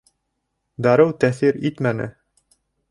Дарыу тәьҫир итмәне